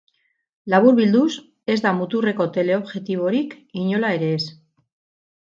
Laburbilduz, ez da muturreko teleobjektiborik, inola ere ez.